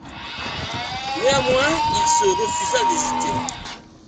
Néanmoins, il se refusa d'hésiter.